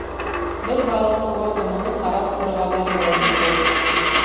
Бер балыҡсы уға кәмәне ҡарап торорға вәғәҙә итте.